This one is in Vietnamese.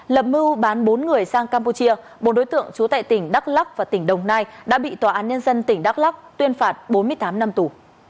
lập mưu bán bốn người sang campuchia bốn đối tượng trú tại tỉnh đắk lắc và tỉnh đồng nai đã bị tòa án nhân dân tỉnh đắk lắc tuyên phạt bốn mươi tám năm tù